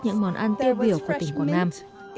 những món ăn tiêu biểu của tỉnh quảng nam